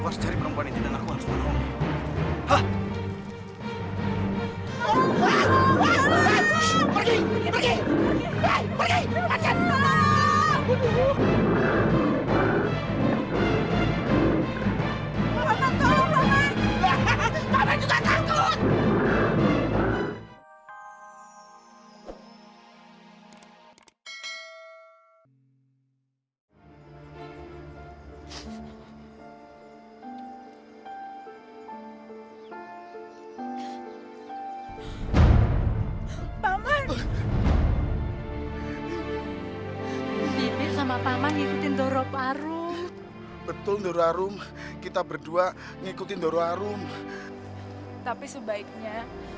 sampai jumpa di video selanjutnya